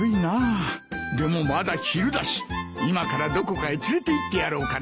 でもまだ昼だし今からどこかへ連れていってやろうかな。